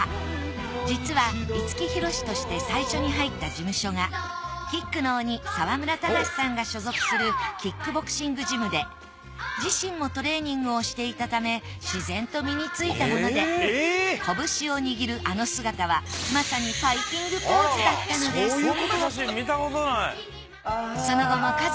実は五木ひろしとして最初に入った事務所がキックの鬼沢村忠さんが所属するキックボクシングジムで自身もトレーニングをしていたためしぜんと身についたもので拳を握るあの姿はまさにファイティングポーズだったのですこんな写真見たことない。